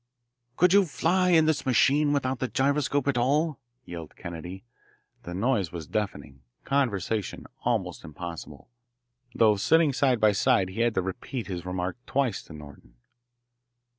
"Could you fly in this machine without the gyroscope at all?" yelled Kennedy. The noise was deafening, conversation almost impossible. Though sitting side by side he had to repeat his remark twice to Norton.